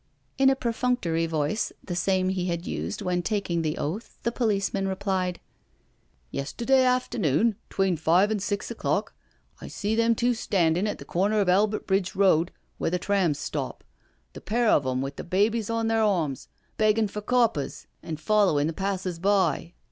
In a perfunctory voice, the same he had used when taking the oath, the policeman replied: " Yesterday afternoon, 'tween five and six o'clock, I see them two standin* at the corner of Albert Bridge Road, where the trams stop— the pair of 'em with the babies on their arms, beggin' for coppers an' foUerin' the pawsers by.